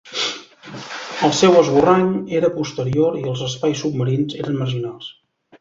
El seu esborrany era posterior i els espais submarins eren marginals.